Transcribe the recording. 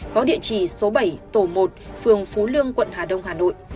có địa chỉ số bảy tổ một phường phú lương quận hà đông hà nội